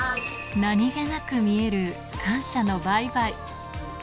何気なく見える、感謝のバイ